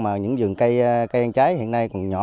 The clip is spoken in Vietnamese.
mà những vườn cây trái hiện nay còn nhỏ